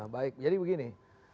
baik jadi begini